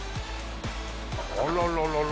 あらららら。